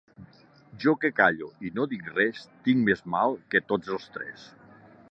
Jo que callo i no dic res, tinc més mal que tots els tres.